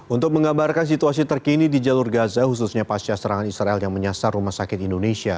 untuk menggambarkan situasi terkini di jalur gaza khususnya pasca serangan israel yang menyasar rumah sakit indonesia